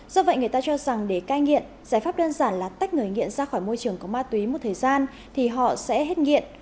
do vậy người ta cho rằng để cai nghiện giải pháp đơn giản là tách người nghiện ra khỏi môi trường có ma túy một thời gian thì họ sẽ hết nghiện